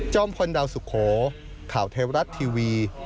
พลดาวสุโขข่าวเทวรัฐทีวี